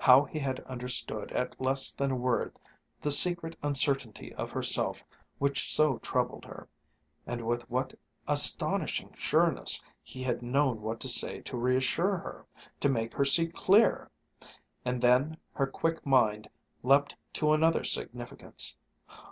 How he had understood at less than a word the secret uncertainty of herself which so troubled her; and with what astonishing sureness he had known what to say to reassure her, to make her see clear! And then, her quick mind leaped to another significance....